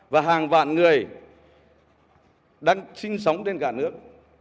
và hàng vạn người đang sinh sống trên cả nước